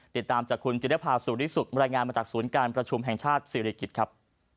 ติดตามจากคุณจิรภาสุริสุขบรรยายงานมาจากศูนย์การประชุมแห่งชาติศิริกิจครับ